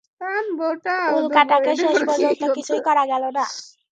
উল্কাটাকে শেষ পর্যন্ত কিছুই করা গেল না!